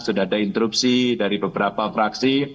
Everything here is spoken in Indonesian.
sudah ada interupsi dari beberapa fraksi